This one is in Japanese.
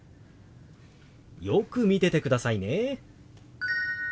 よく見ててくださいね。